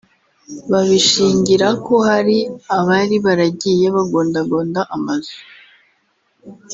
Babishingira ko hari abari baragiye bagondagonda amazu